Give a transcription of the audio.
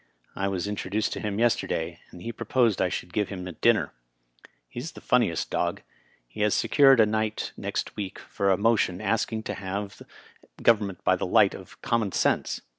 I was introduced to him yester day, and he proposed I should give him a dinner. He's the funniest dog. He has secured a night next week for a motion asking to have government by the light of com mon sense.